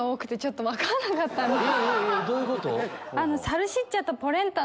どういうこと？